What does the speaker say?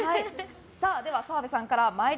では、澤部さんから。